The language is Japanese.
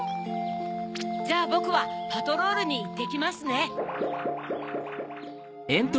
じゃあぼくはパトロールにいってきますね。